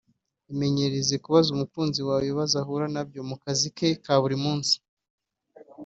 Imenyereze kubaza umukunzi wawe ibibazo ahura nabyo mu kazi ke ka buri munsi